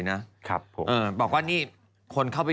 นักกรก็ต้องล่าเฉยไป